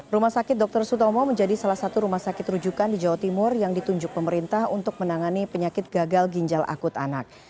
rumah sakit dr sutomo menjadi salah satu rumah sakit rujukan di jawa timur yang ditunjuk pemerintah untuk menangani penyakit gagal ginjal akut anak